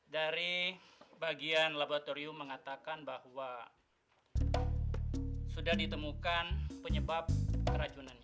dari bagian laboratorium mengatakan bahwa sudah ditemukan penyebab keracunan